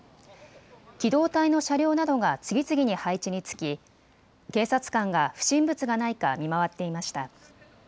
機動隊の車両などが次々に配置につき警察官が不審物がないか見回っていました。